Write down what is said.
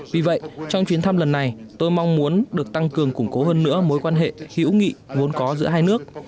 vì vậy trong chuyến thăm lần này tôi mong muốn được tăng cường củng cố hơn nữa mối quan hệ hữu nghị vốn có giữa hai nước